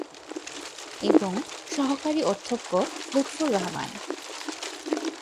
এবং সহকারী অধ্যক্ষ লুৎফর রহমান।